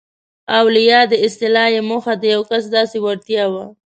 او له یادې اصطلاح یې موخه د یو کس داسې وړتیا وه.